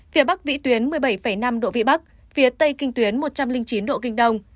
phía bắc vĩ tuyến một mươi bảy năm độ vĩ bắc phía tây kinh tuyến một trăm linh chín độ kinh đông